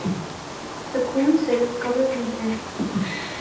سکون صرف قبر میں ہے